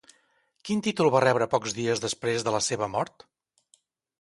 Quin títol va rebre pocs dies després de la seva mort?